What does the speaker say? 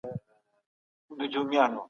منظم پلان د وخت د ضایع کېدو مخه نیسي.